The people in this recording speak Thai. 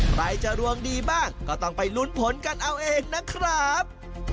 ใครจะดวงดีบ้างก็ต้องไปลุ้นผลกันเอาเองนะครับ